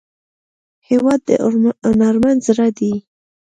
هېواد د هنرمند زړه دی.